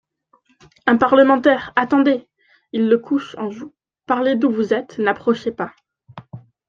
Un parlementaire, attendez ! (Il le couche en joue.) Parlez d'où vous êtes, n'approchez pas.